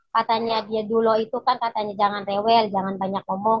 katanya dia dulu itu kan katanya jangan rewel jangan banyak ngomong